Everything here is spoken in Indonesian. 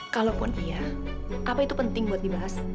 kalaupun iya apa itu penting buat dibahas